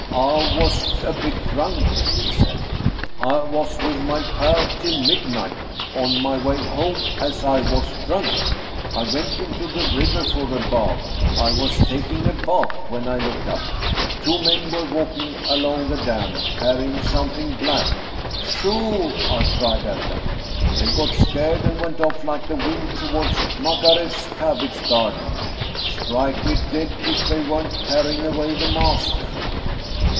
" I was a bit drunk," he said. " I was with my pal till midnight. On my way home, as I was drunk, I went into the river for a bath. I was taking a bath, when I looked up. Two men were walking along the dam, carrying something black. ' Shoo !' I cried at them. They got scared, and went off like the wind toward Makareff's cab bage garden. Strike me dead, if they weren't carrying away the master